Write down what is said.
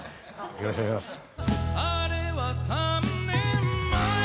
よろしくお願いします。